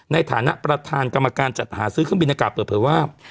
ในฐานะประธานกรรมการจัดหาซื้อเครื่องบินอากาศเปิดเผยว่า